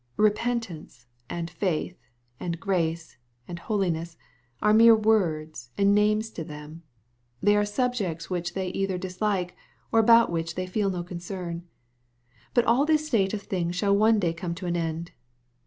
Eepentance, and faith, and grace, and holi ness, are mere words and names to them. They are subjects which they either dislike, or about which they feel no concern. But all this state of things shall one day come to an end.